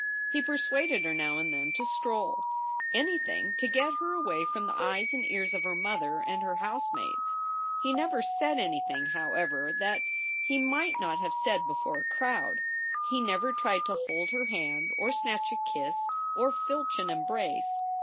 He persuaded her now and then to stroll anything to get her away from the eyes and ears of her mother and her housemates. He never said anything, however, that he might not have said before a crowd. He never tried to hold her hand or snatch a kiss or filch an embrace.